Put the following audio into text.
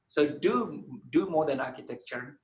jadi lakukan lebih dari architecture